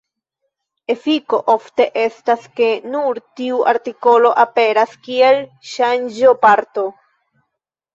Efiko ofte estas, ke nur tiu artikolo aperas kiel ŝanĝo-parto.